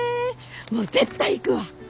もう絶対行くわ。